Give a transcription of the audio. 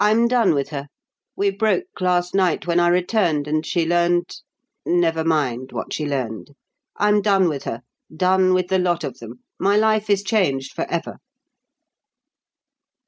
"I'm done with her! We broke last night, when I returned and she learned never mind what she learned! I'm done with her done with the lot of them. My life is changed forever."